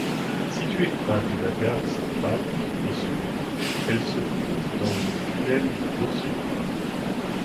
Située à de la gare centrale d'Oslo, elle se trouve dans le tunnel d'Oslo.